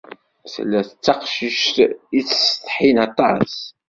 Tella d taqcict yettsetḥin aṭas.